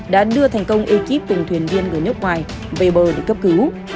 đã đưa thành công ekip cùng thuyền viên người nước ngoài về bờ để cấp cứu